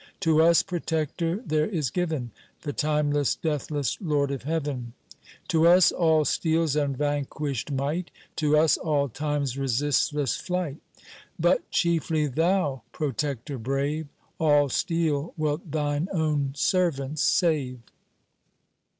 To us protector there is given The timeless, deathless, Lord of heaven ; To us All steel's unvanquished might ; To us All time's resistless flight ; But chiefly Thou, Protector brave, All steel, wilt Thine own servants save.